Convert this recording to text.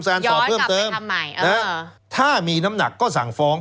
สอบเพิ่มเติมถ้ามีน้ำหนักก็สั่งฟ้อง